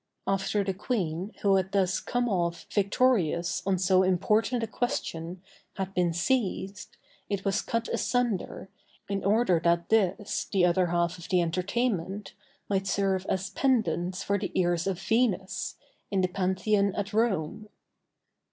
After the queen, who had thus come off victorious on so important a question, had been seized, it was cut asunder, in order that this, the other half of the entertainment, might serve as pendants for the ears of Venus, in the Pantheon at Rome.